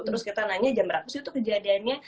terus kita nanya jam berapa sih tuh kejadiannya